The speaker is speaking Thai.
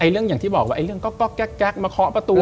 เรื่องอย่างที่บอกว่าเรื่องก๊อกแก๊กมาเคาะประตู